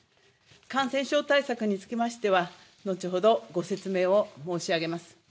感染症対策につきましては後ほどご説明を申し上げます。